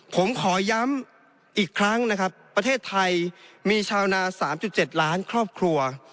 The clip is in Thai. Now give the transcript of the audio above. ผมขอย้ำอีกครั้งนะครับประเทศไทยมีชาวนา๓๗ล้านครอบครัว